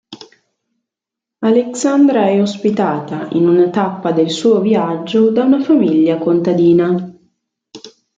Alexandra è ospitata, in una tappa del suo viaggio, da una famiglia contadina.